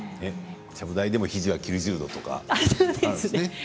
ちゃぶ台でも肘は９０度とかあるんですね。